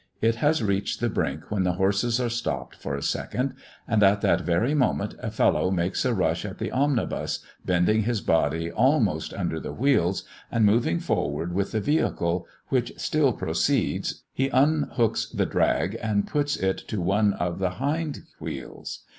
It has reached the brink when the horses are stopped for a second; and at that very moment a fellow makes a rush at the omnibus, bending his body almost under the wheels, and moving forward with the vehicle, which still proceeds, he unhooks the drag, and puts it to one of the hind wheels.